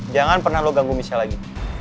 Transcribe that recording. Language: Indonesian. jangan pernah lo ganggu michel lagi